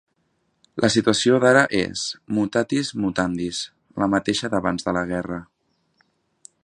La situació d'ara és, 'mutatis mutandis', la mateixa d'abans de la guerra.